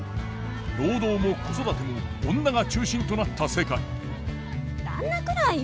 労働も子育ても女が中心となった世界旦那くらいよ。